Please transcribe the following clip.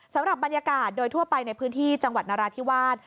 สำหรับบรรยากาศโดยทั่วไปในพื้นที่จังหวัดนราธิวาส